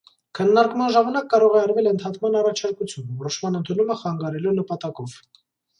Քննարկման ժամանակ կարող է արվել ընդհատման առաջարկություն՝ որոշման ընդունումը խանգարելու նպատակով։